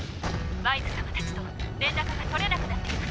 ワイズさまたちと連絡が取れなくなっています。